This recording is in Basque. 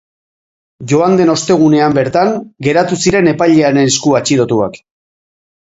Joan den ostegunean bertan geratu ziren epailaren esku atxilotuak.